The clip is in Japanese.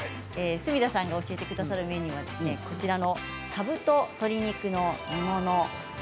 角田さんが教えてくださるメニューは、かぶと鶏肉の煮物。